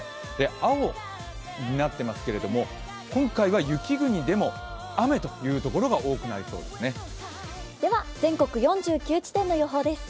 青になっていますが、今回は雪国でも雨というところが多くなりそうですね。